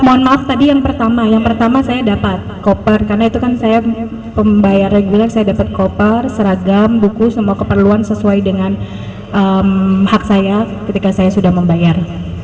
mohon maaf tadi yang pertama yang pertama saya dapat koper karena itu kan saya pembayar reguler saya dapat koper seragam buku semua keperluan sesuai dengan hak saya ketika saya sudah membayar